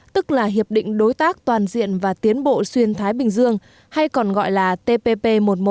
tức là hiệp định đối tác toàn diện và tiến bộ xuyên thái bình dương hay còn gọi là tpp một mươi một